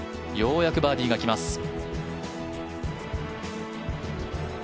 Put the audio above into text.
５ようやくバーディーが来ます。